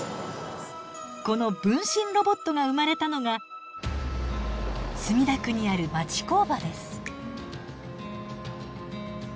この分身ロボットが生まれたのが墨田区にある町工場です。